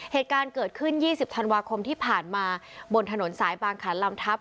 เหตุการณ์เกิดขึ้น๒๐ธันวาคมที่ผ่านมาบนถนนสายบางขันลำทัพ